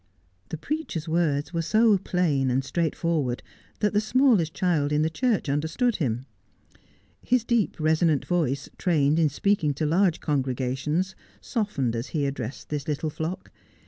; The preacher's words were so plain and straightforward that the smallest child in the church understood him. His deep, resonant voice, trained in speaking to large congregations, softened as he addressed this little flock.